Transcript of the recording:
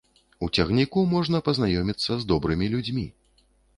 У цягніку можна пазнаёміцца з добрымі людзьмі.